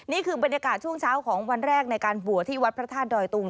นี่คือบรรยากาศช่วงเช้าของวันแรกในการบวชที่วัดพระธาตุดอยตุง